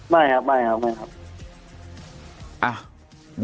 ไม่ครับไม่ครับไม่ครับ